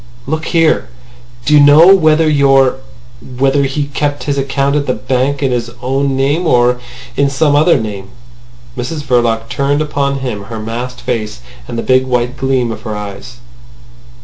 "Look here! Do you know whether your—whether he kept his account at the bank in his own name or in some other name." Mrs Verloc turned upon him her masked face and the big white gleam of her eyes.